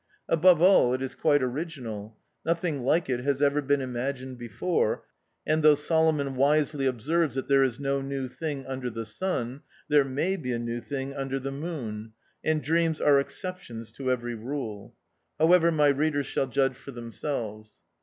Above all, it is quite original ; nothing like it has ever been imagined before ; and though Solomon wisely observes that there is no new thing under the Sun, there may be a new thing under the Moon ; and dreams are exceptions to every rule. How ever, my readers shall judge for themselves.